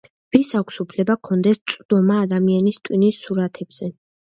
ვის აქვს უფლება ჰქონდეს წვდომა ადამიანის ტვინის სურათებზე?